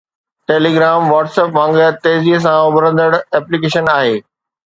Telegram WhatsApp وانگر تيزيءَ سان اڀرندڙ ايپليڪيشن آهي